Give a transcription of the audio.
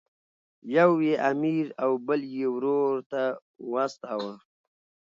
یو یې امیر او بل یې ورور ته واستاوه.